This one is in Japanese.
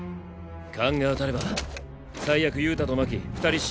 勘が当たれば最悪憂太と真希二人死ぬ。